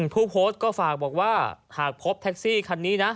ผู้โพสต์ก็ฝากบอกว่าหากพบแท็กซี่คันนี้นะ